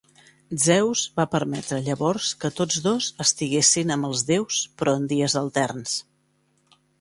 Zeus va permetre llavors que tots dos estiguessin amb els déus però en dies alterns.